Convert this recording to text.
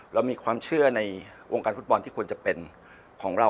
เรามีความเชื่อในวงการฟุตบอลที่ควรจะเป็นของเรา